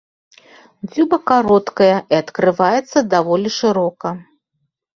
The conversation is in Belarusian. Дзюба кароткая і адкрываецца даволі шырока.